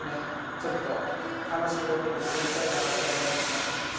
ちょっと楽しいロケにしていきたいかなって思いますね。